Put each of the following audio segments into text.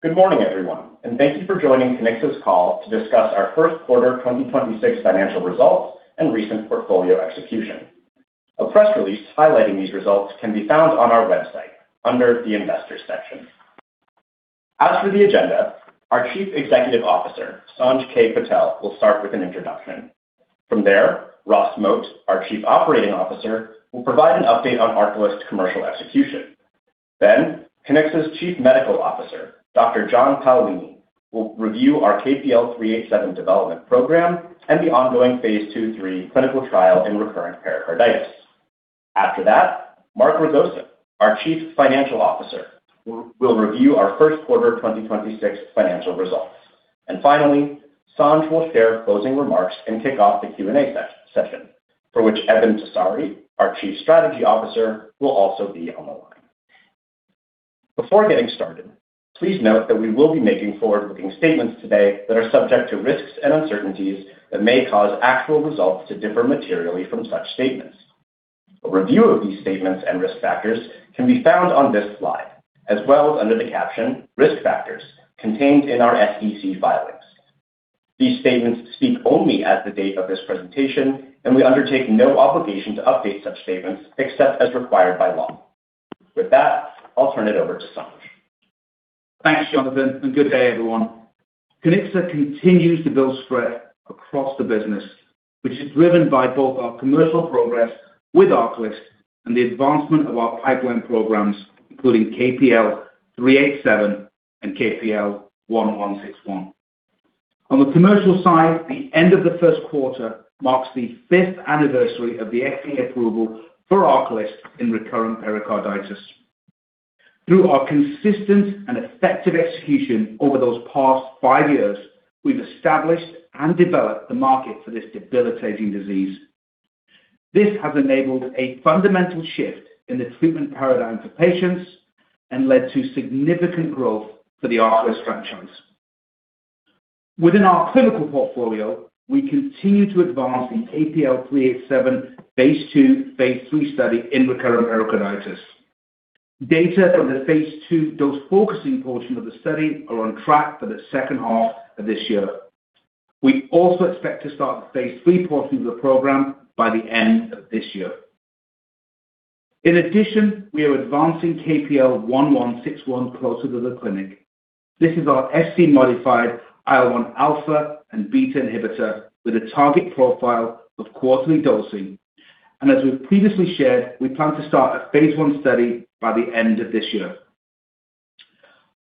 Good morning, everyone, and thank you for joining Kiniksa's call to discuss our first quarter 2026 financial results and recent portfolio execution. A press release highlighting these results can be found on our website under the investors section. As for the agenda, our Chief Executive Officer, Sanj K. Patel, will start with an introduction. From there, Ross Moat, our Chief Operating Officer, will provide an update on ARCALYST commercial execution. Kiniksa's Chief Medical Officer, Dr. John Paolini, will review our KPL-387 development program and the ongoing phase II/III clinical trial in recurrent pericarditis. Mark Ragosa, our Chief Financial Officer, will review our first quarter 2026 financial results. Sanj will share closing remarks and kick off the Q&A session, for which Eben Tessari, our Chief Strategy Officer, will also be on the line. Before getting started, please note that we will be making forward-looking statements today that are subject to risks and uncertainties that may cause actual results to differ materially from such statements. A review of these statements and risk factors can be found on this slide, as well as under the caption Risk Factors contained in our SEC filings. These statements speak only as of the date of this presentation, and we undertake no obligation to update such statements except as required by law. With that, I'll turn it over to Sanj. Thanks, Jonathan. Good day everyone. Kiniksa continues to build strength across the business, which is driven by both our commercial progress with ARCALYST and the advancement of our pipeline programs, including KPL-387 and KPL-1161. On the commercial side, the end of the first quarter marks the fifth anniversary of the FDA approval for ARCALYST in recurrent pericarditis. Through our consistent and effective execution over those past five years, we've established and developed the market for this debilitating disease. This has enabled a fundamental shift in the treatment paradigm for patients and led to significant growth for the ARCALYST franchise. Within our clinical portfolio, we continue to advance the KPL-387 phase II/phase III study in recurrent pericarditis. Data from the phase II dose-focusing portion of the study are on track for the second half of this year. We also expect to start the phase III portion of the program by the end of this year. We are advancing KPL-1161 closer to the clinic. This is our Fc-modified IL-1 alpha and beta inhibitor with a target profile of quarterly dosing. As we've previously shared, we plan to start a phase I study by the end of this year.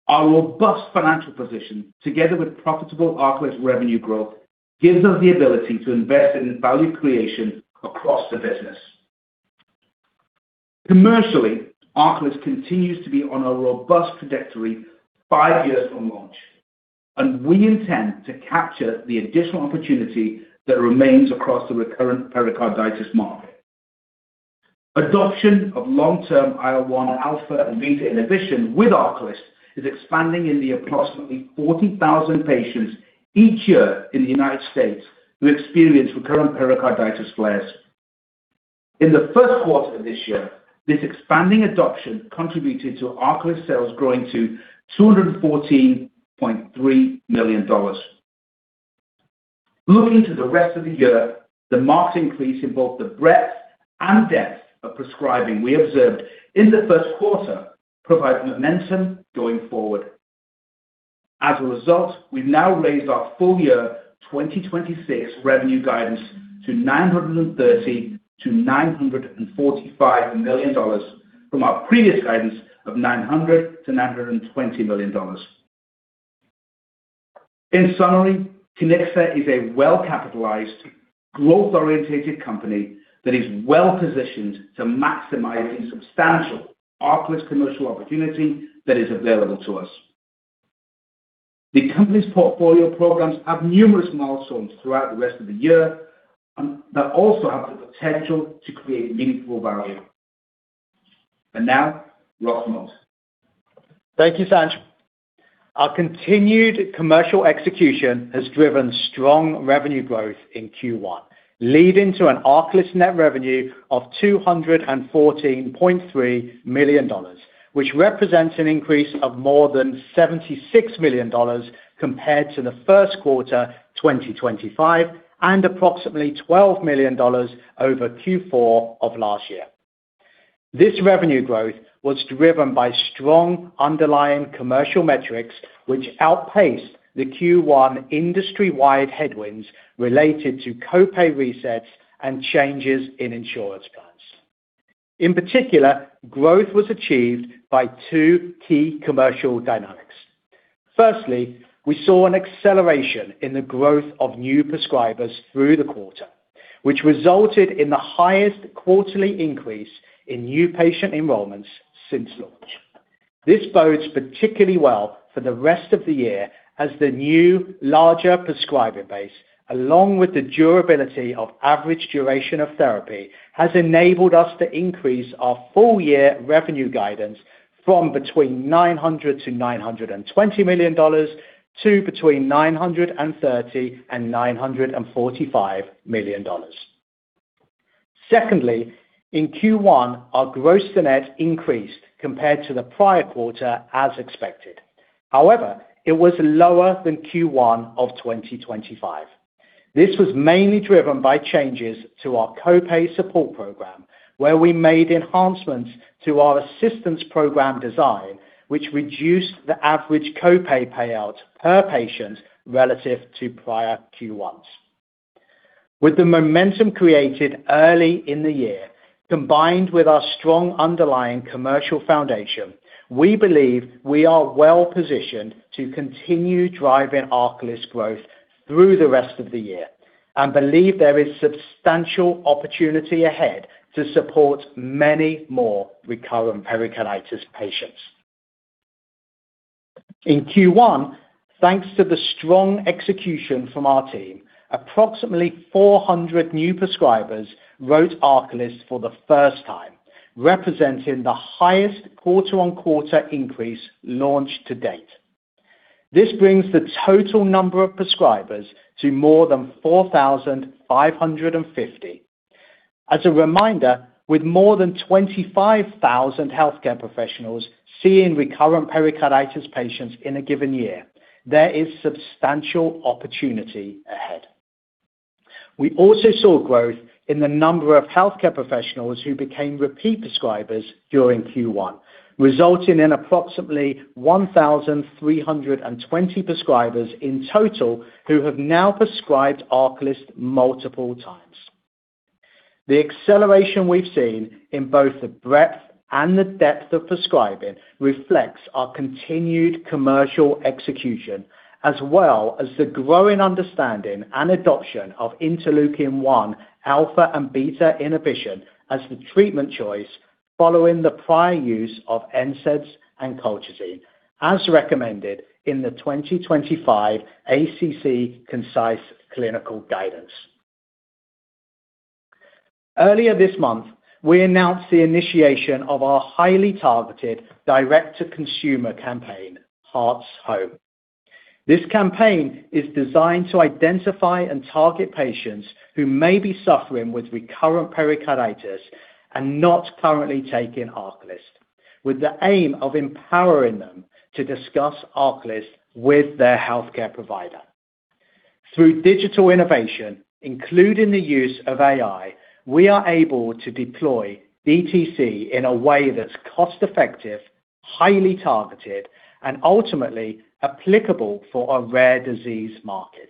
Our robust financial position, together with profitable ARCALYST revenue growth, gives us the ability to invest in value creation across the business. Commercially, ARCALYST continues to be on a robust trajectory five years from launch, and we intend to capture the additional opportunity that remains across the recurrent pericarditis market. Adoption of long-term IL-1 alpha and beta inhibition with ARCALYST is expanding in the approximately 40,000 patients each year in the United States who experience recurrent pericarditis flares. In the first quarter of this year, this expanding adoption contributed to ARCALYST sales growing to $214.3 million. Looking to the rest of the year, the marked increase in both the breadth and depth of prescribing we observed in the first quarter provide momentum going forward. As a result, we've now raised our full year 2026 revenue guidance to $930 million-$945 million from our previous guidance of $900 million-$920 million. In summary, Kiniksa is a well-capitalized, growth-orientated company that is well-positioned to maximize the substantial ARCALYST commercial opportunity that is available to us. The company's portfolio programs have numerous milestones throughout the rest of the year that also have the potential to create meaningful value. And now, Ross Moat. Thank you, Sanj. Our continued commercial execution has driven strong revenue growth in Q1, leading to an ARCALYST net revenue of $214.3 million, which represents an increase of more than $76 million compared to the first quarter 2025, and approximately $12 million over Q4 of last year. This revenue growth was driven by strong underlying commercial metrics, which outpaced the Q1 industry-wide headwinds related to co-pay resets and changes in insurance plans. In particular, growth was achieved by two key commercial dynamics. Firstly, we saw an acceleration in the growth of new prescribers through the quarter, which resulted in the highest quarterly increase in new patient enrollments since launch. This bodes particularly well for the rest of the year as the new larger prescriber base, along with the durability of average duration of therapy, has enabled us to increase our full year revenue guidance from between $900 million and $920 million to between $930 million and $945 million. In Q1, our gross-to-net increased compared to the prior quarter as expected. However, it was lower than Q1 of 2025. This was mainly driven by changes to our co-pay support program, where we made enhancements to our assistance program design, which reduced the average co-pay payout per patient relative to prior Q1s. With the momentum created early in the year, combined with our strong underlying commercial foundation, we believe we are well-positioned to continue driving ARCALYST growth through the rest of the year and believe there is substantial opportunity ahead to support many more recurrent pericarditis patients. In Q1, thanks to the strong execution from our team, approximately 400 new prescribers wrote ARCALYST for the first time, representing the highest quarter-on-quarter increase launch to date. This brings the total number of prescribers to more than 4,550. As a reminder, with more than 25,000 healthcare professionals seeing recurrent pericarditis patients in a given year, there is substantial opportunity ahead. We also saw growth in the number of healthcare professionals who became repeat prescribers during Q1, resulting in approximately 1,320 prescribers in total who have now prescribed ARCALYST multiple times. The acceleration we've seen in both the breadth and the depth of prescribing reflects our continued commercial execution, as well as the growing understanding and adoption of interleukin-1 alpha and beta inhibition as the treatment choice following the prior use of NSAIDs and colchicine, as recommended in the 2025 ACC Concise Clinical Guidance. Earlier this month, we announced the initiation of our highly targeted direct-to-consumer campaign, Heart's Home. This campaign is designed to identify and target patients who may be suffering with recurrent pericarditis and not currently taking ARCALYST, with the aim of empowering them to discuss ARCALYST with their healthcare provider. Through digital innovation, including the use of AI, we are able to deploy DTC in a way that's cost-effective, highly targeted, and ultimately applicable for a rare disease market.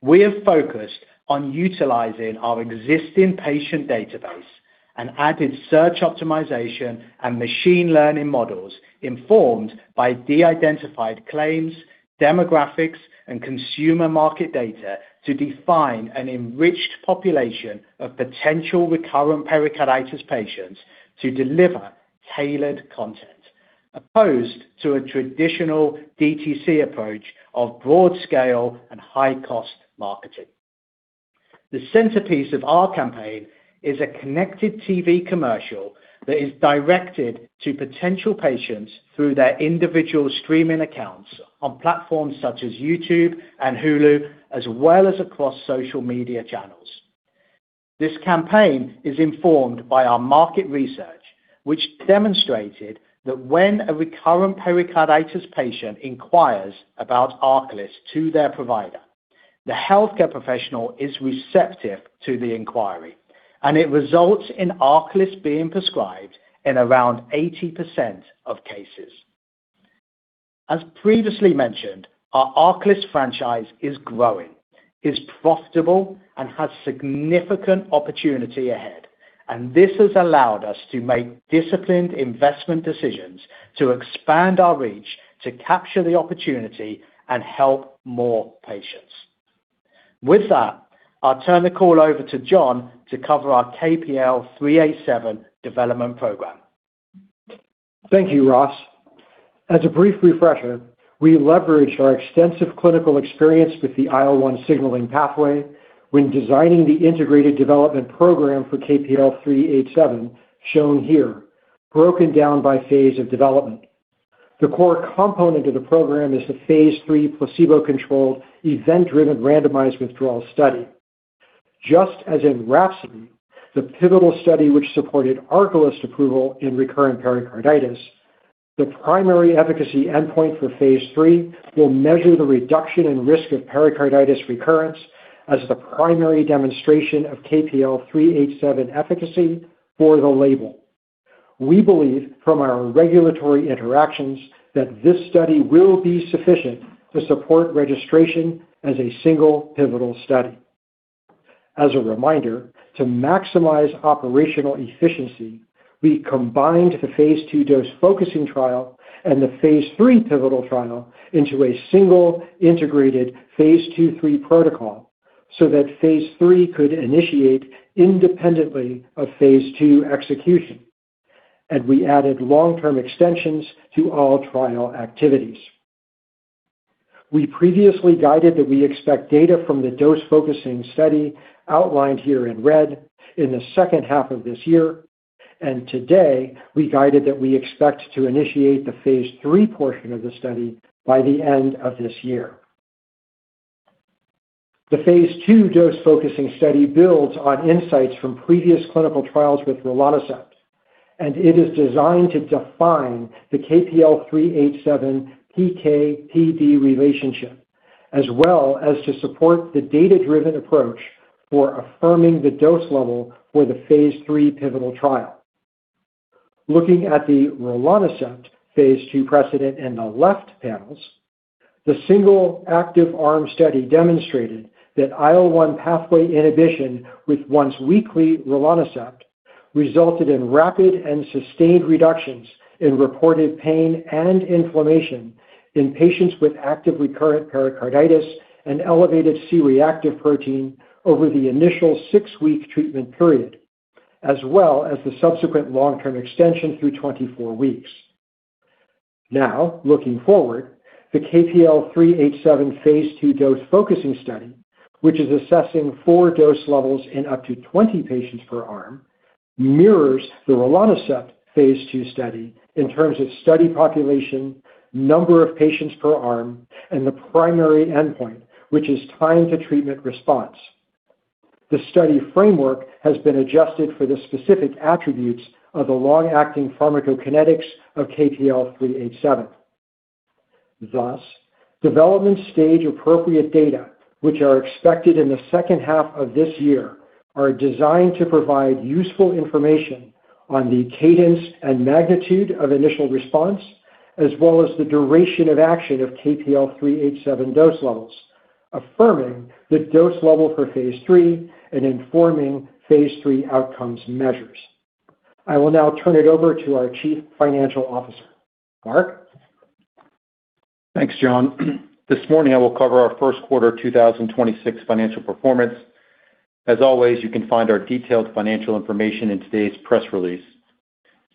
We have focused on utilizing our existing patient database and added search optimization and machine learning models informed by de-identified claims, demographics, and consumer market data to define an enriched population of potential recurrent pericarditis patients to deliver tailored content, opposed to a traditional DTC approach of broad-scale and high-cost marketing. The centerpiece of our campaign is a connected TV commercial that is directed to potential patients through their individual streaming accounts on platforms such as YouTube and Hulu, as well as across social media channels. This campaign is informed by our market research, which demonstrated that when a recurrent pericarditis patient inquires about ARCALYST to their provider, the healthcare professional is receptive to the inquiry, and it results in ARCALYST being prescribed in around 80% of cases. As previously mentioned, our ARCALYST franchise is growing, is profitable, and has significant opportunity ahead. This has allowed us to make disciplined investment decisions to expand our reach to capture the opportunity and help more patients. With that, I'll turn the call over to John to cover our KPL-387 development program. Thank you, Ross. As a brief refresher, we leveraged our extensive clinical experience with the IL-1 signaling pathway when designing the integrated development program for KPL-387, shown here, broken down by phase of development. The core component of the program is the phase III placebo-controlled event-driven randomized withdrawal study. Just as in RHAPSODY, the pivotal study which supported ARCALYST approval in recurrent pericarditis, the primary efficacy endpoint for phase III will measure the reduction in risk of pericarditis recurrence as the primary demonstration of KPL-387 efficacy for the label. We believe from our regulatory interactions that this study will be sufficient to support registration as a single pivotal study. As a reminder, to maximize operational efficiency, we combined the phase II dose-focusing trial and the phase III pivotal trial into a single integrated phase II/III protocol so that phase III could initiate independently of phase II execution, and we added long-term extensions to all trial activities. We previously guided that we expect data from the dose-focusing study outlined here in red in the second half of this year, and today we guided that we expect to initiate the phase III portion of the study by the end of this year. The phase II dose-focusing study builds on insights from previous clinical trials with rilonacept, and it is designed to define the KPL-387 PK/PD relationship, as well as to support the data-driven approach for affirming the dose level for the phase III pivotal trial. Looking at the rilonacept phase II precedent in the left panels, the single active arm study demonstrated that IL-1 pathway inhibition with once-weekly rilonacept resulted in rapid and sustained reductions in reported pain and inflammation in patients with active recurrent pericarditis and elevated C-reactive protein over the initial six-week treatment period, as well as the subsequent long-term extension through 24 weeks. Now, looking forward, the KPL-387 phase II dose-focusing study, which is assessing four dose levels in up to 20 patients per arm, mirrors the rilonacept phase II study in terms of study population, number of patients per arm, and the primary endpoint, which is time to treatment response. The study framework has been adjusted for the specific attributes of the long-acting pharmacokinetics of KPL-387. Thus, development stage appropriate data, which are expected in the second half of this year, are designed to provide useful information on the cadence and magnitude of initial response, as well as the duration of action of KPL-387 dose levels, affirming the dose level for phase III and informing phase III outcomes measures. I will now turn it over to our Chief Financial Officer. Mark? Thanks, John. This morning, I will cover our first quarter 2026 financial performance. Always, you can find our detailed financial information in today's press release.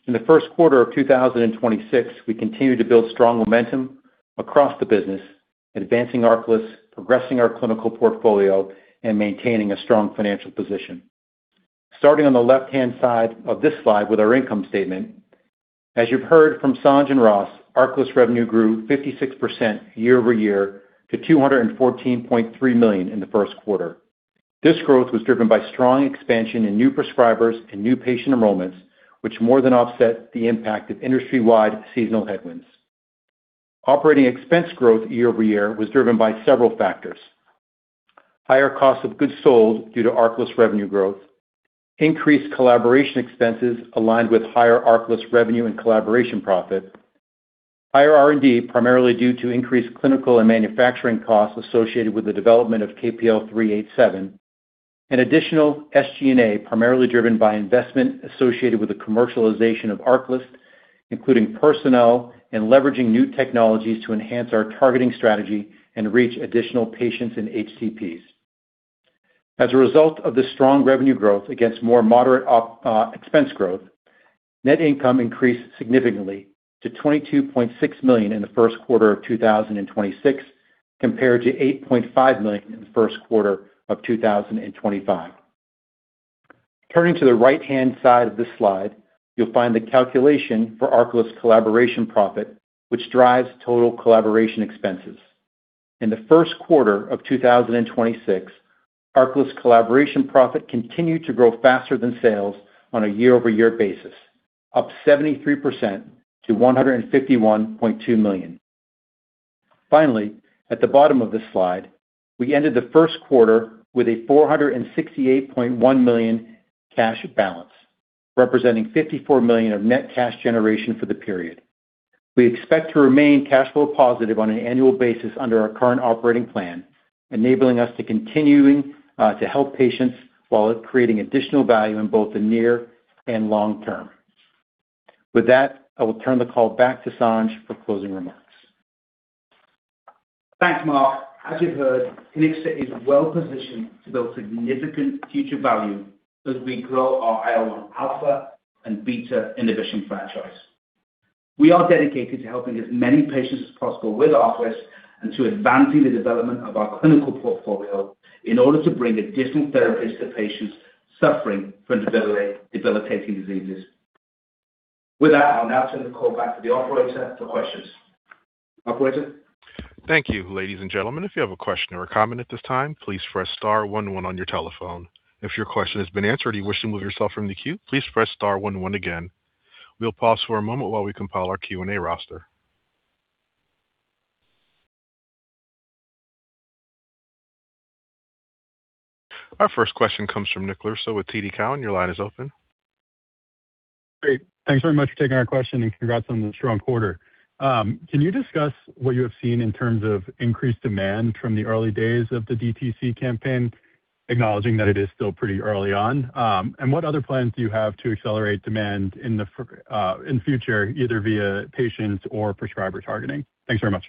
In the first quarter of 2026, we continued to build strong momentum across the business, advancing ARCALYST, progressing our clinical portfolio, and maintaining a strong financial position. Starting on the left-hand side of this slide with our income statement. As you've heard from Sanj and Ross, ARCALYST revenue grew 56% year-over-year to $214.3 million in the first quarter. This growth was driven by strong expansion in new prescribers and new patient enrollments, which more than offset the impact of industry-wide seasonal headwinds. Operating expense growth year-over-year was driven by several factors. Higher cost of goods sold due to ARCALYST revenue growth. Increased collaboration expenses aligned with higher ARCALYST revenue and collaboration profit. Higher R&D, primarily due to increased clinical and manufacturing costs associated with the development of KPL-387. An additional SG&A, primarily driven by investment associated with the commercialization of ARCALYST, including personnel and leveraging new technologies to enhance our targeting strategy and reach additional patients and HCPs. As a result of the strong revenue growth against more moderate expense growth, net income increased significantly to $22.6 million in the first quarter of 2026, compared to $8.5 million in the first quarter of 2025. Turning to the right-hand side of this slide, you'll find the calculation for ARCALYST collaboration profit, which drives total collaboration expenses. In the first quarter of 2026, ARCALYST collaboration profit continued to grow faster than sales on a year-over-year basis, up 73% to $151.2 million. Finally, at the bottom of this slide, we ended the first quarter with a $468.1 million cash balance, representing $54 million of net cash generation for the period. We expect to remain cash flow positive on an annual basis under our current operating plan, enabling us to continuing to help patients while creating additional value in both the near and long term. With that, I will turn the call back to Sanj for closing remarks. Thanks, Mark. As you've heard, Kiniksa is well-positioned to build significant future value as we grow our IL-1 alpha and beta inhibition franchise. We are dedicated to helping as many patients as possible with ARCALYST and to advancing the development of our clinical portfolio in order to bring additional therapies to patients suffering from debilitating diseases. With that, I'll now turn the call back to the operator for questions. Operator? Thank you. Ladies and gentlemen, if you have a question or comment at this time please press star one one on your telephone. If your question has been answered, you wish to move yourself from the queue, please press star one one again. We'll pause for a moment while we compile our Q&A roster. Our first question comes from Nick Lorusso with TD Cowen. Your line is open. Great. Thanks very much for taking our question, and congrats on the strong quarter. Can you discuss what you have seen in terms of increased demand from the early days of the DTC campaign, acknowledging that it is still pretty early on? What other plans do you have to accelerate demand in future, either via patients or prescriber targeting? Thanks very much.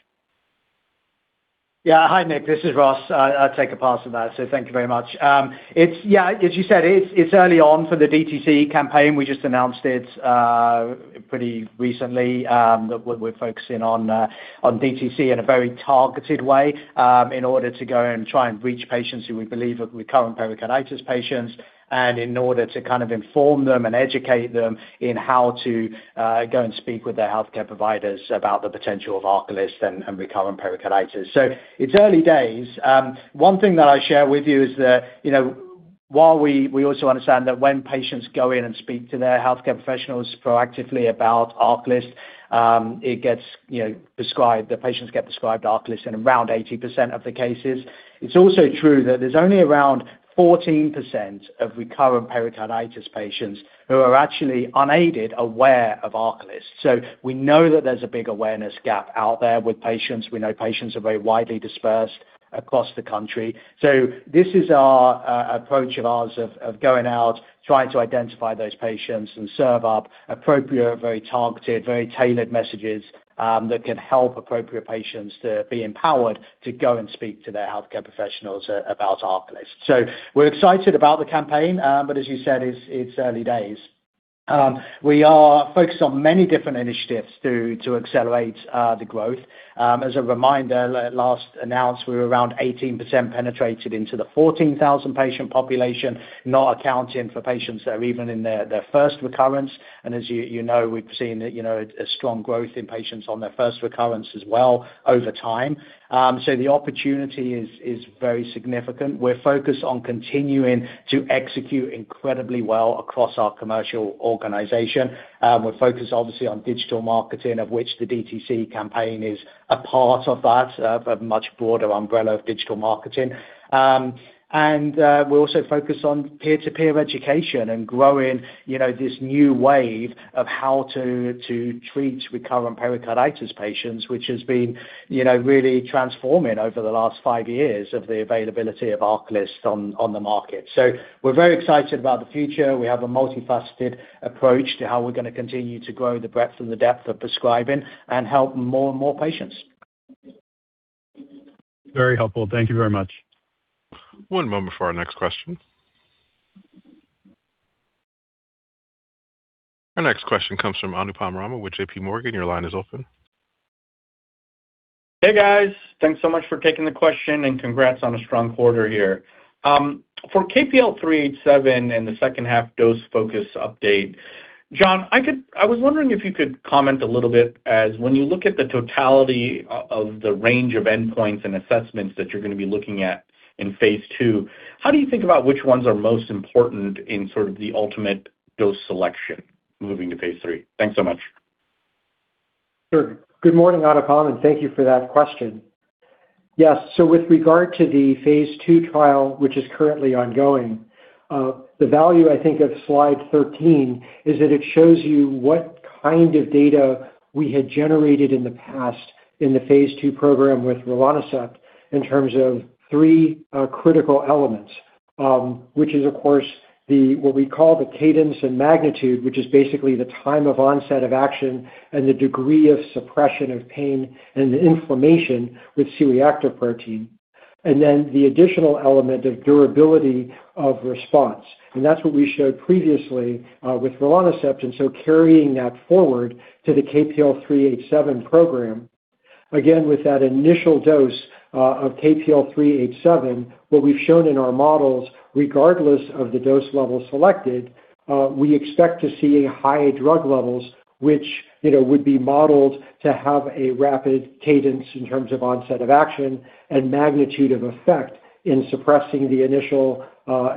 Yeah. Hi, Nick. This is Ross. I'll take a pass on that. Thank you very much. Yeah, as you said, it's early on for the DTC campaign. We just announced it pretty recently that we're focusing on DTC in a very targeted way in order to go and try and reach patients who we believe are recurrent pericarditis patients, and in order to kind of inform them and educate them in how to go and speak with their healthcare providers about the potential of ARCALYST and recurrent pericarditis. It's early days. One thing that I share with you is that, you know, while we also understand that when patients go in and speak to their healthcare professionals proactively about ARCALYST, it gets, you know, prescribed. The patients get prescribed ARCALYST in around 80% of the cases. It's also true that there's only around 14% of recurrent pericarditis patients who are actually unaided, aware of ARCALYST. We know that there's a big awareness gap out there with patients. We know patients are very widely dispersed across the country. This is our approach of ours of going out, trying to identify those patients and serve up appropriate, very targeted, very tailored messages that can help appropriate patients to be empowered to go and speak to their healthcare professionals about ARCALYST. We're excited about the campaign, as you said, it's early days. We are focused on many different initiatives to accelerate the growth. As a reminder, last announced, we were around 18% penetrated into the 14,000 patient population, not accounting for patients that are even in their first recurrence. As you know, we've seen, you know, a strong growth in patients on their first recurrence as well over time. So the opportunity is very significant. We're focused on continuing to execute incredibly well across our commercial organization. We're focused obviously on digital marketing, of which the DTC campaign is a part of that, a much broader umbrella of digital marketing. We're also focused on peer-to-peer education and growing, you know, this new wave of how to treat recurrent pericarditis patients, which has been, you know, really transforming over the last five years of the availability of ARCALYST on the market. We're very excited about the future. We have a multifaceted approach to how we're gonna continue to grow the breadth and the depth of prescribing and help more and more patients. Very helpful. Thank you very much. One moment for our next question. Our next question comes from Anupam Rama with JPMorgan. Your line is open. Hey, guys. Thanks so much for taking the question, congrats on a strong quarter here. For KPL-387 and the second half dose focus update, John, I was wondering if you could comment a little bit as when you look at the totality of the range of endpoints and assessments that you're gonna be looking at in phase II, how do you think about which ones are most important in sort of the ultimate dose selection moving to phase III? Thanks so much. Sure. Good morning, Anupam, and thank you for that question. Yes. With regard to the phase II trial, which is currently ongoing, the value I think of slide 13 is that it shows you what kind of data we had generated in the past in the phase II program with rilonacept in terms of three critical elements, which is of course the what we call the cadence and magnitude, which is basically the time of onset of action and the degree of suppression of pain and the inflammation with C-reactive protein, and then the additional element of durability of response. That's what we showed previously with rilonacept, and so carrying that forward to the KPL-387 program. Again, with that initial dose of KPL-387, what we've shown in our models, regardless of the dose level selected, we expect to see high drug levels, which, you know, would be modeled to have a rapid cadence in terms of onset of action and magnitude of effect in suppressing the initial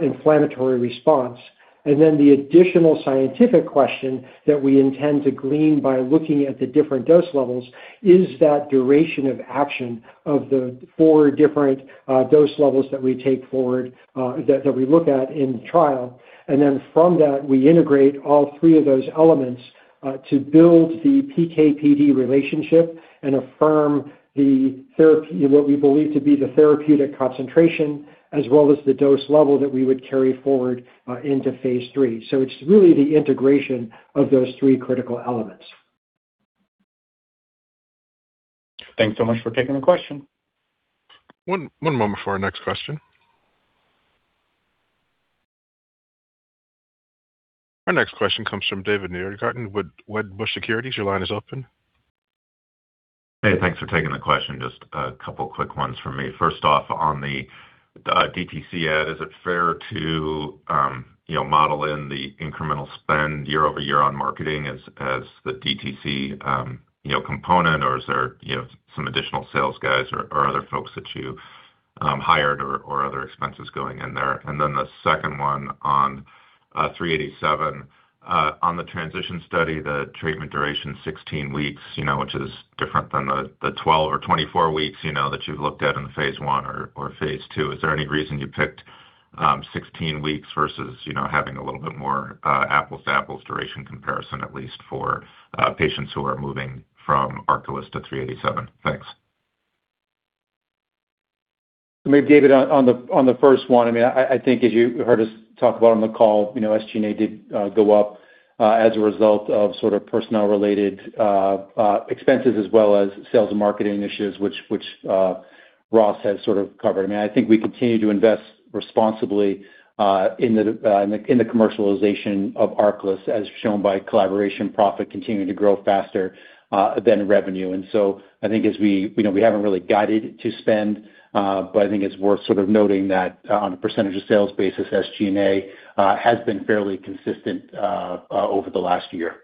inflammatory response. The additional scientific question that we intend to glean by looking at the different dose levels is that duration of action of the four different dose levels that we take forward, that we look at in the trial. From that, we integrate all three of those elements to build the PK/PD relationship and affirm what we believe to be the therapeutic concentration as well as the dose level that we would carry forward into phase III. It's really the integration of those three critical elements. Thanks so much for taking the question. One moment for our next question. Our next question comes from David Nierengarten with Wedbush Securities. Your line is open. Hey, thanks for taking the question. Just a couple quick ones from me. First off, on the DTC ad, is it fair to, you know, model in the incremental spend year-over-year on marketing as the DTC, you know, component? Or is there, you know, some additional sales guys or other folks that you hired or other expenses going in there? The second one on 387. On the transition study, the treatment duration 16 weeks, you know, which is different than the 12 or 24 weeks, you know, that you've looked at in the phase I or phase II. Is there any reason you picked 16 weeks versus, you know, having a little bit more apples-to-apples duration comparison, at least for patients who are moving from ARCALYST to 387? Thanks. Maybe David, on the, on the first one, I mean, I think as you heard us talk about on the call, you know, SG&A did go up as a result of sort of personnel related expenses as well as sales and marketing initiatives, which Ross has sort of covered. I mean, I think we continue to invest responsibly in the commercialization of ARCALYST, as shown by collaboration profit continuing to grow faster than revenue. I think as we, you know, we haven't really guided to spend, but I think it's worth sort of noting that on a percentage of sales basis, SG&A has been fairly consistent over the last year.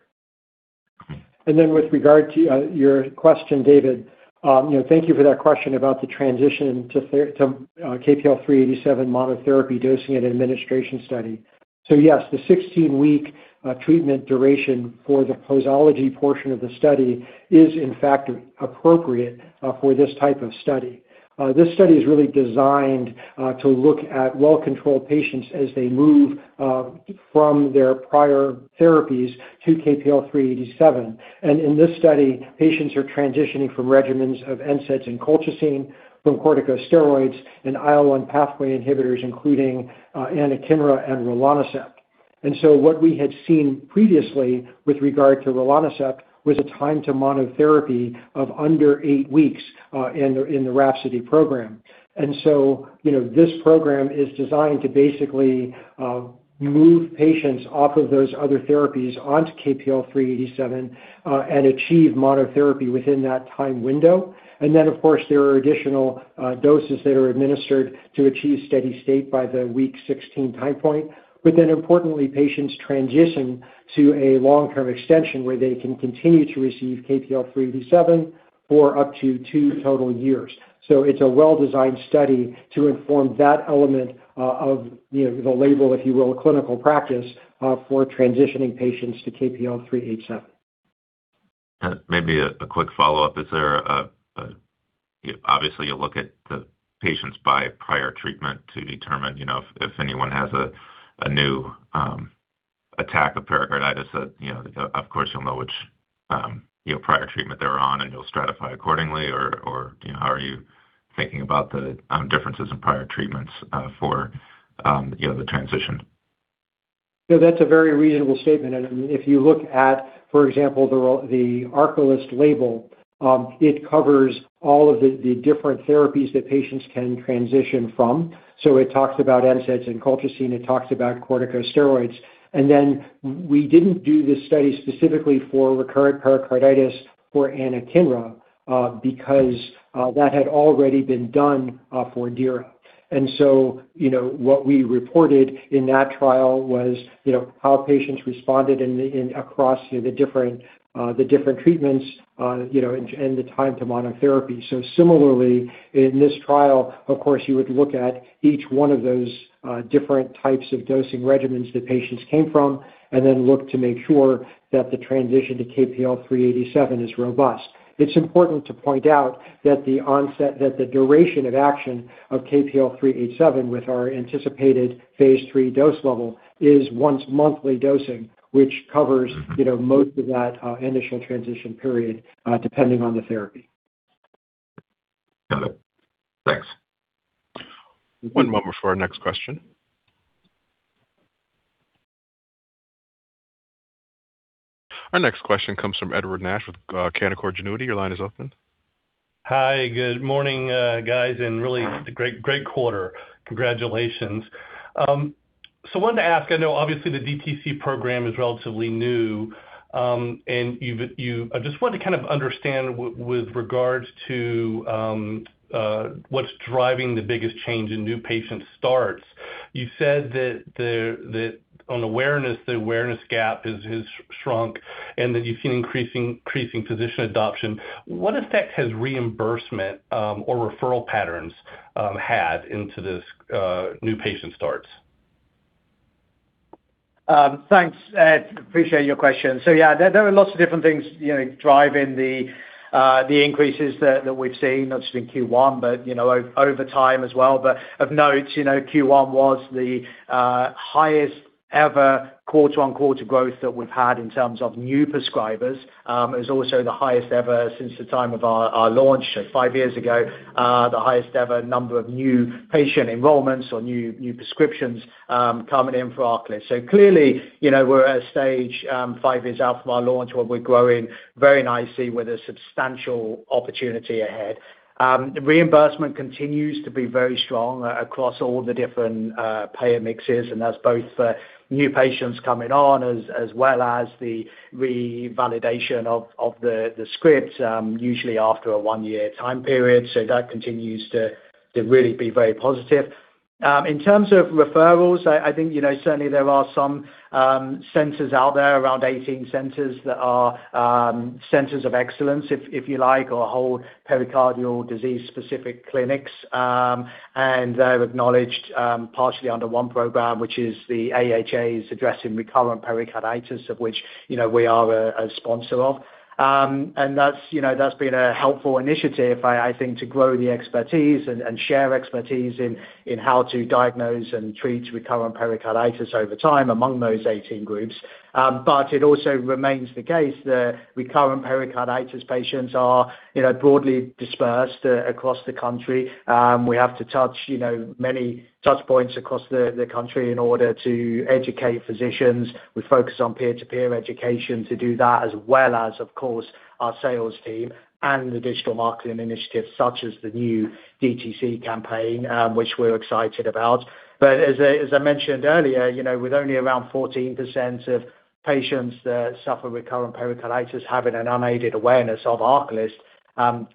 With regard to your question, David, you know, thank you for that question about the transition to KPL-387 monotherapy dosing and administration study. Yes, the 16-week treatment duration for the posology portion of the study is in fact appropriate for this type of study. This study is really designed to look at well-controlled patients as they move from their prior therapies to KPL-387. In this study, patients are transitioning from regimens of NSAIDs and colchicine from corticosteroids and IL-1 pathway inhibitors, including anakinra and rilonacept. What we had seen previously with regard to rilonacept was a time to monotherapy of under eight weeks in the RHAPSODY program. You know, this program is designed to basically move patients off of those other therapies onto KPL-387 and achieve monotherapy within that time window. Of course, there are additional doses that are administered to achieve steady state by the week 16 time point. Importantly, patients transition to a long-term extension where they can continue to receive KPL-387 for up to two total years. It's a well-designed study to inform that element of, you know, the label, if you will, clinical practice for transitioning patients to KPL-387. Maybe a quick follow-up. Is there a... Obviously, you look at the patients by prior treatment to determine, you know, if anyone has a new attack of pericarditis that, you know, of course you'll know which prior treatment they're on and you'll stratify accordingly or, you know, how are you thinking about the differences in prior treatments for, you know, the transition? That's a very reasonable statement. If you look at, for example, the ARCALYST label, it covers all of the different therapies that patients can transition from. It talks about NSAIDs and colchicine, it talks about corticosteroids. We didn't do this study specifically for recurrent pericarditis for anakinra, because that had already been done for DIRA. You know, what we reported in that trial was, you know, how patients responded across the different treatments, and the time to monotherapy. Similarly in this trial, of course, you would look at each one of those different types of dosing regimens that patients came from, and then look to make sure that the transition to KPL-387 is robust. It's important to point out that the onset. The duration of action of KPL-387 with our anticipated phase III dose level is once-monthly dosing, which covers, you know, most of that initial transition period, depending on the therapy. Got it. Thanks. One moment for our next question. Our next question comes from Edward Nash with Canaccord Genuity. Your line is open. Hi. Good morning, guys, and great quarter. Congratulations. Wanted to ask, I know obviously the DTC program is relatively new, and I just wanted to kind of understand with regards to what's driving the biggest change in new patient starts. You said that on awareness, the awareness gap has shrunk and that you've seen increasing physician adoption. What effect has reimbursement or referral patterns had into this new patient starts? Thanks, Ed. Appreciate your question. Yeah, there are lots of different things, you know, driving the increases that we've seen, not just in Q1, but, you know, over time as well. Of note, you know, Q1 was the highest ever quarter-on-quarter growth that we've had in terms of new prescribers. It was also the highest ever since the time of our launch, so five years ago, the highest ever number of new patient enrollments or new prescriptions coming in for ARCALYST. Clearly, you know, we're at a stage, five years out from our launch where we're growing very nicely with a substantial opportunity ahead. The reimbursement continues to be very strong across all the different payer mixes, and that's both for new patients coming on as well as the revalidation of the script, usually after a one-year time period. That continues to really be very positive. In terms of referrals, I think, you know, certainly there are some centers out there, around 18 centers that are centers of excellence, if you like, or whole pericardial disease-specific clinics, and they're acknowledged partially under one program, which is the AHA's Addressing Recurrent Pericarditis, of which, you know, we are a sponsor of. And that's, you know, that's been a helpful initiative, I think, to grow the expertise and share expertise in how to diagnose and treat recurrent pericarditis over time among those 18 groups. It also remains the case that recurrent pericarditis patients are, you know, broadly dispersed across the country. We have to touch, you know, many touchpoints across the country in order to educate physicians. We focus on peer-to-peer education to do that, as well as, of course, our sales team and the digital marketing initiatives such as the new DTC campaign, which we're excited about. As I mentioned earlier, you know, with only around 14% of patients that suffer recurrent pericarditis having an unaided awareness of ARCALYST,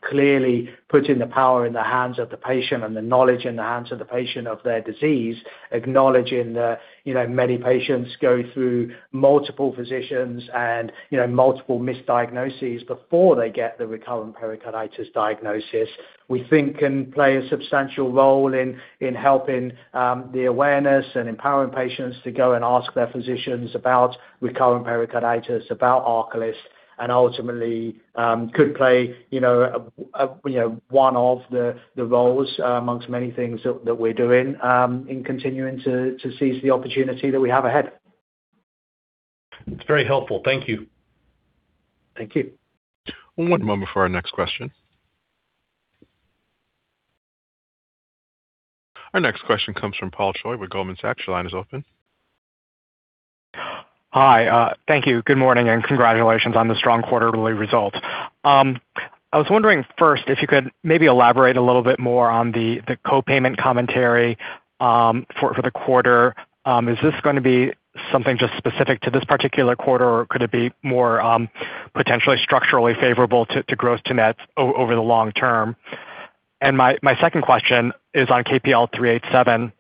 clearly putting the power in the hands of the patient and the knowledge in the hands of the patient of their disease, acknowledging that, you know, many patients go through multiple physicians and, you know, multiple misdiagnoses before they get the recurrent pericarditis diagnosis, we think can play a substantial role in helping the awareness and empowering patients to go and ask their physicians about recurrent pericarditis, about ARCALYST, and ultimately, you know, one of the roles amongst many things that we're doing in continuing to seize the opportunity that we have ahead. That's very helpful. Thank you. Thank you. One moment for our next question. Our next question comes from Paul Choi with Goldman Sachs. Your line is open. Hi. Thank you. Good morning, and congratulations on the strong quarterly results. I was wondering first if you could maybe elaborate a little bit more on the copayment commentary for the quarter. Is this going to be something just specific to this particular quarter or could it be more potentially structurally favorable to gross-to-net over the long term? My second question is on KPL-387.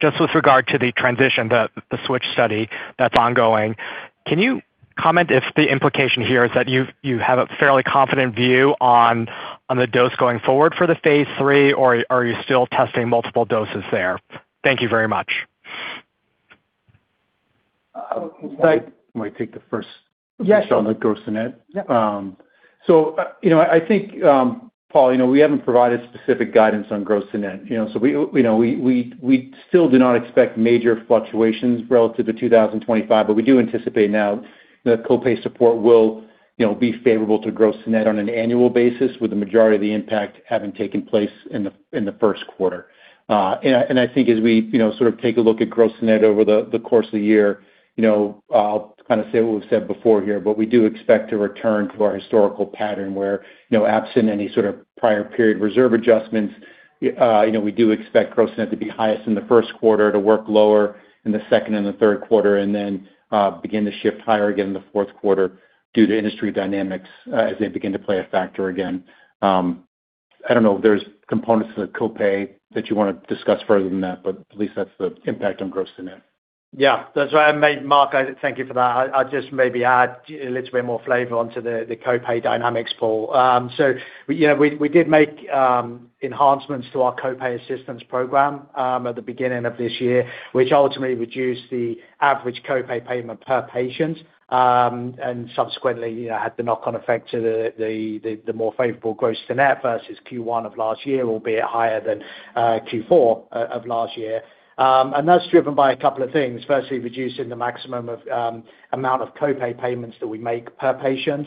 Just with regard to the transition, the switch study that's ongoing, can you comment if the implication here is that you have a fairly confident view on the dose going forward for the phase III, or are you still testing multiple doses there? Thank you very much. May I take the first- Yes. Sure. -on the gross to net. Yep. You know, I think, Paul, you know, we haven't provided specific guidance on gross-to-net. We still do not expect major fluctuations relative to 2025, but we do anticipate now that copay support will, you know, be favorable to gross-to-net on an annual basis, with the majority of the impact having taken place in the first quarter. I think as we, you know, sort of take a look at gross-to-net over the course of the year, you know, I'll kind of say what we've said before here, but we do expect to return to our historical pattern where, you know, absent any sort of prior period reserve adjustments, you know, we do expect gross-to-net to be highest in the first quarter, to work lower in the second and the third quarter, then begin to shift higher again in the fourth quarter due to industry dynamics as they begin to play a factor again. I don't know if there's components to the copay that you wanna discuss further than that, but at least that's the impact on gross-to-net. That's why I made Mark. Thank you for that. I just maybe add a little bit more flavor onto the copay dynamics, Paul. You know, we did make enhancements to our copay assistance program at the beginning of this year, which ultimately reduced the average copay payment per patient, and subsequently, you know, had the knock-on effect to the more favorable gross-to-net versus Q1 of last year, albeit higher than Q4 of last year. That's driven by a couple of things. Firstly, reducing the maximum amount of copay payments that we make per patient.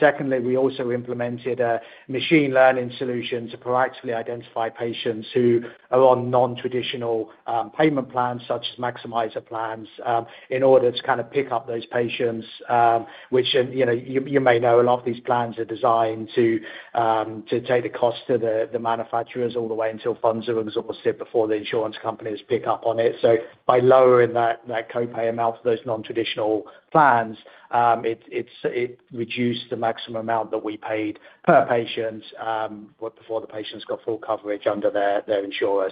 Secondly, we also implemented a machine learning solution to proactively identify patients who are on non-traditional payment plans such as maximizer plans, in order to kinda pick up those patients, which, you know, you may know a lot of these plans are designed to take the cost to the manufacturers all the way until funds are exhausted before the insurance companies pick up on it. By lowering that copay amount for those non-traditional plans, it reduced the maximum amount that we paid per patient before the patients got full coverage under their insurer.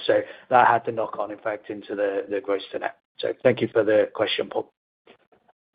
That had the knock-on effect into the gross to net. Thank you for the question, Paul.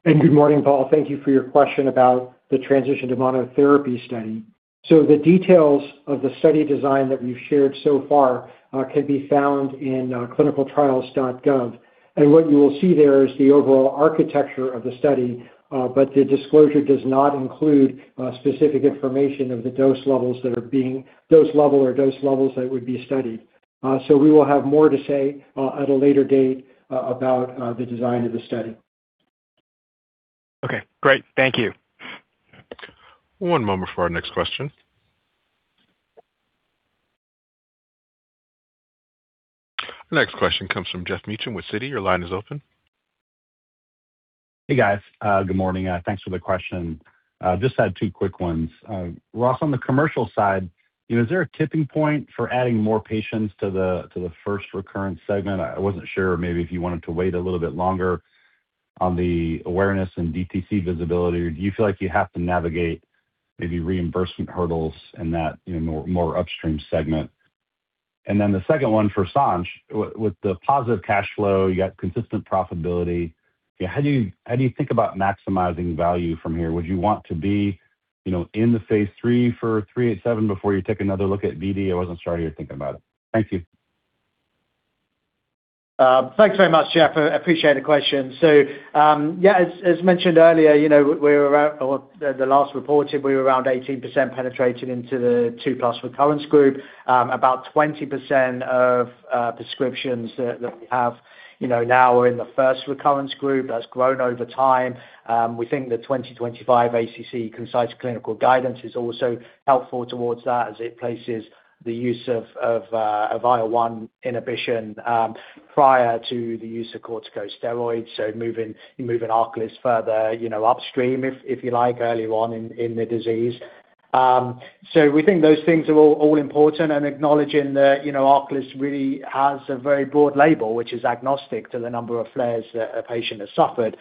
Good morning, Paul. Thank you for your question about the transition to monotherapy study. The details of the study design that we've shared so far can be found in clinicaltrials.gov. What you will see there is the overall architecture of the study, but the disclosure does not include specific information of the dose level or dose levels that would be studied. We will have more to say at a later date about the design of the study. Okay, great. Thank you. One moment for our next question. The next question comes from Geoff Meacham with Citi. Your line is open. Hey, guys. Good morning. Thanks for the question. Just had two quick ones. Ross, on the commercial side, you know, is there a tipping point for adding more patients to the, to the first recurrent segment? I wasn't sure maybe if you wanted to wait a little bit longer on the awareness and DTC visibility, or do you feel like you have to navigate maybe reimbursement hurdles in that, you know, more, more upstream segment? The second one's for Sanj. With the positive cash flow, you got consistent profitability. Yeah, how do you, how do you think about maximizing value from here? Would you want to be, you know, in the phase III for KPL-387 before you take another look at BD? I wasn't sure you're thinking about it. Thank you. Thanks very much, Geoff. I appreciate the question. As mentioned earlier, you know, we were around 18% penetrated into the 2+ recurrence group. About 20% of prescriptions that we have, you know, now are in the first recurrence group. That's grown over time. We think the 2025 ACC Concise Clinical Guidance is also helpful towards that as it places the use of IL-1 inhibition prior to the use of corticosteroids. Moving ARCALYST further, you know, upstream if you like, early on in the disease. We think those things are all important and acknowledging that, you know, ARCALYST really has a very broad label, which is agnostic to the number of flares that a patient has suffered.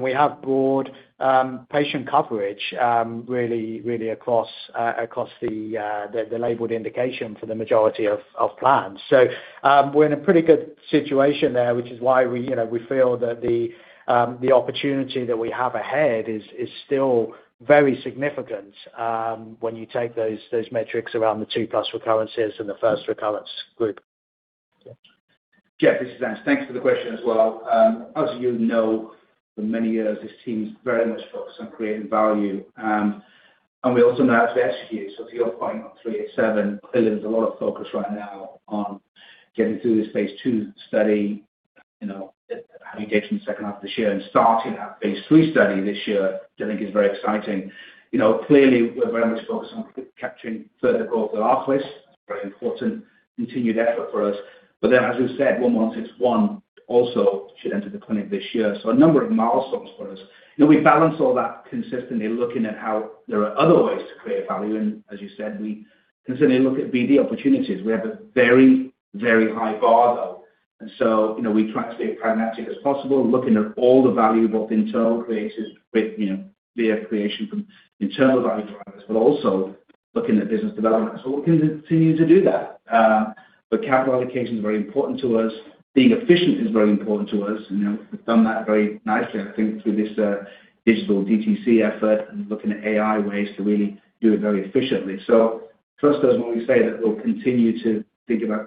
We have broad patient coverage really across the labeled indication for the majority of plans. We're in a pretty good situation there, which is why we, you know, we feel that the opportunity that we have ahead is still very significant when you take those metrics around the two-plus recurrences and the first recurrence group. Geoff, this is Sanj. Thanks for the question as well. As you know, for many years, this team's very much focused on creating value. We also know how to execute. To your point on 387, clearly there's a lot of focus. On getting through this phase II study, you know, how you get through the second half of this year and starting that phase III study this year, which I think is very exciting. You know, clearly we're very much focused on capturing further growth with ARCALYST. Very important continued effort for us. As we've said, KPL-1161 also should enter the clinic this year. A number of milestones for us. You know, we balance all that consistently looking at how there are other ways to create value. As you said, we continually look at BD opportunities. We have a very, very high bar, though. We try to stay as pragmatic as possible, looking at all the value both internal creators with, you know, via creation from internal value drivers, but also looking at business development. We'll continue to do that. Capital allocation is very important to us. Being efficient is very important to us. You know, we've done that very nicely, I think, through this digital DTC effort and looking at AI ways to really do it very efficiently. Trust us when we say that we'll continue to think about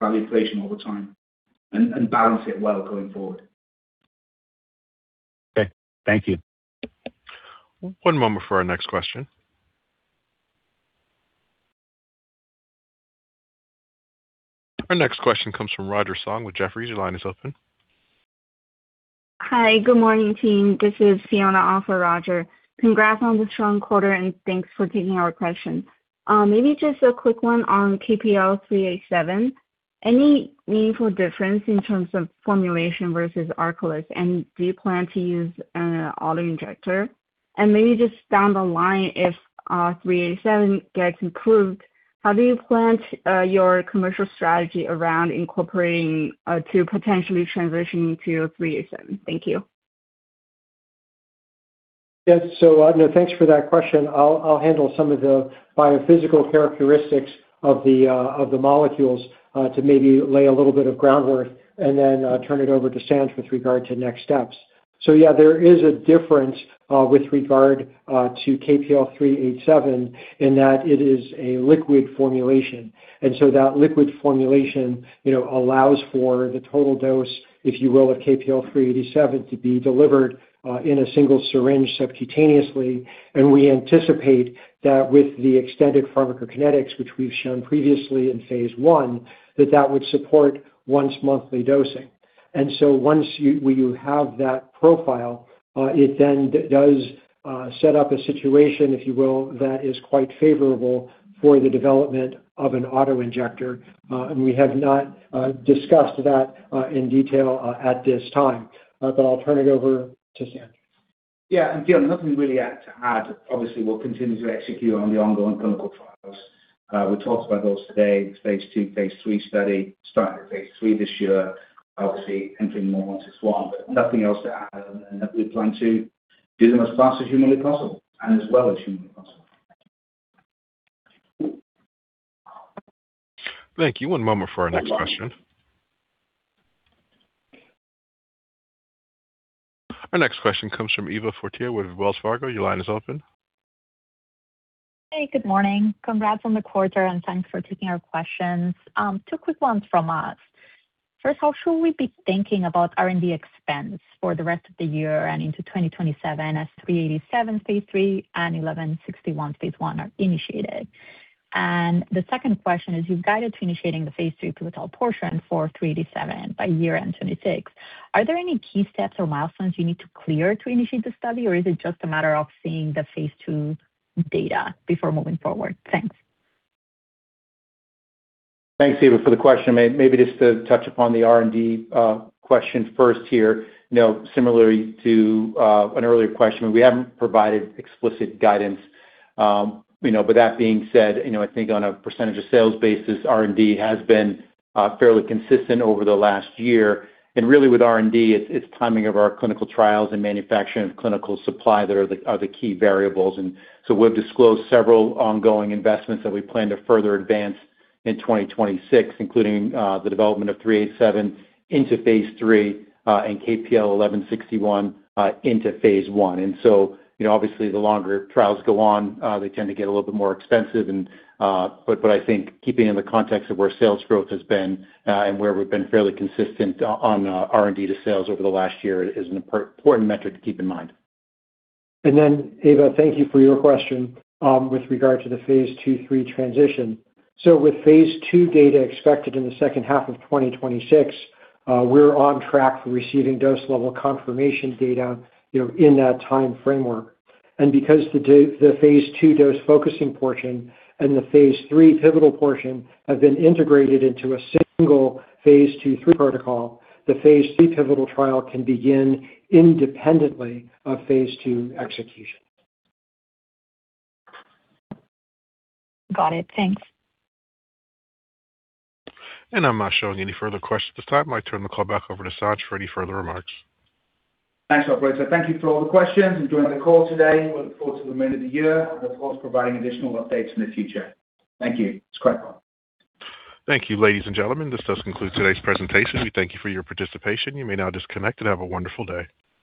value creation over time and balance it well going forward. Okay. Thank you. One moment for our next question. Our next question comes from Roger Song with Jefferies. Your line is open. Hi, good morning, team. This is Fiona on for Roger. Congrats on the strong quarter, and thanks for taking our question. Maybe just a quick one on KPL-387. Any meaningful difference in terms of formulation versus ARCALYST, and do you plan to use an autoinjector? Maybe just down the line, if 387 gets approved, how do you plan your commercial strategy around incorporating to potentially transitioning to 387? Thank you. Yes. No, thanks for that question. I'll handle some of the biophysical characteristics of the molecules to maybe lay a little bit of groundwork and then turn it over to Sanj with regard to next steps. Yeah, there is a difference with regard to KPL-387 in that it is a liquid formulation. That liquid formulation, you know, allows for the total dose, if you will, of KPL-387 to be delivered in a single syringe subcutaneously. We anticipate that with the extended pharmacokinetics, which we've shown previously in phase I, that that would support once-monthly dosing. Once you have that profile, it then does set up a situation, if you will, that is quite favorable for the development of an auto-injector. We have not discussed that in detail at this time. I'll turn it over to Sanj. Yeah. Fiona, nothing really to add. Obviously, we'll continue to execute on the ongoing clinical trials. We talked about those today, phase II, phase III study, starting the phase III this year, obviously entering more KPL-1161. Nothing else to add other than that we plan to do them as fast as humanly possible and as well as humanly possible. Thank you. One moment for our next question. Our next question comes from Eva Fortea with Wells Fargo. Your line is open. Hey, good morning. Congrats on the quarter, and thanks for taking our questions. Two quick ones from us. First, how should we be thinking about R&D expense for the rest of the year and into 2027 as KPL-387, phase III and KPL-1161, phase I are initiated? The second question is, you've guided to initiating the phase III pivotal portion for KPL-387 by year-end 2026. Are there any key steps or milestones you need to clear to initiate the study, or is it just a matter of seeing the phase II data before moving forward? Thanks. Thanks, Eva, for the question. Maybe just to touch upon the R&D question first here. You know, similarly to an earlier question, we haven't provided explicit guidance. You know, that being said, you know, I think on a percentage of sales basis, R&D has been fairly consistent over the last year. Really with R&D, it's timing of our clinical trials and manufacturing of clinical supply that are the key variables. We've disclosed several ongoing investments that we plan to further advance in 2026, including the development of KPL-387 into phase III and KPL-1161 into phase I. You know, obviously the longer trials go on, they tend to get a little bit more expensive. I think keeping in the context of where sales growth has been, and where we've been fairly consistent on R&D to sales over the last year is an important metric to keep in mind. Eva, thank you for your question, with regard to the phase II/III transition. With phase II data expected in the second half of 2026, we're on track for receiving dose level confirmation data, you know, in that time framework. Because the phase II dose-focusing portion and the phase III pivotal portion have been integrated into a single phase II/III protocol, the phase III pivotal trial can begin independently of phase II execution. Got it. Thanks. I'm not showing any further questions at this time. I turn the call back over to Sanj for any further remarks. Thanks, operator. Thank you for all the questions and joining the call today. We look forward to the remainder of the year and look forward to providing additional updates in the future. Thank you. It is great. Thank you, ladies and gentlemen. This does conclude today's presentation. We thank you for your participation. You may now disconnect and have a wonderful day.